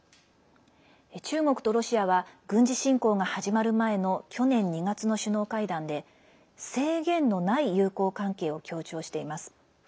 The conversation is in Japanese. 中国とロシアは軍事侵攻が始まる前の去年２月の首脳会談で制限のない友好関係を強調しています。